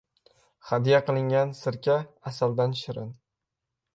• Hadya qilingan sirka asaldan shirin.